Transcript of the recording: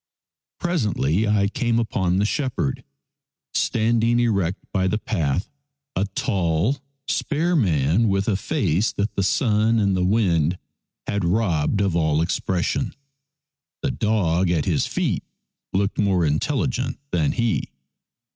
Presently I came upon the shepherd stand ing erect by the path, a tall, spare man with a face that the sun and the wind had robbed of all expression. The dog at his feet looked more intelligent than he.